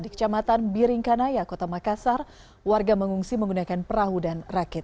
di kecamatan biringkanaya kota makassar warga mengungsi menggunakan perahu dan rakit